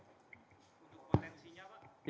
untuk potensinya pak